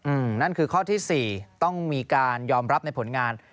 อืมนั่นคือข้อที่สี่ต้องมีการยอมรับในผลงาน